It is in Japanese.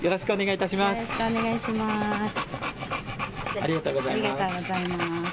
ありがとうございます。